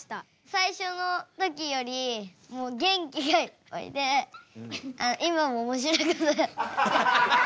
最初の時より元気がいっぱいで今もおもしろい。